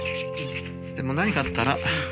でも何かあったら。